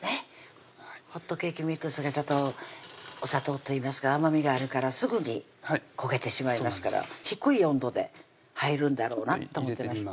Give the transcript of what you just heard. ホットケーキミックスがちょっとお砂糖といいますか甘みがあるからすぐに焦げてしまいますから低い温度で入るんだろうなと思ってました